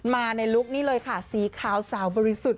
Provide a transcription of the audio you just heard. มาในลุคนี้เลยค่ะสีขาวสาวบริสุทธิ์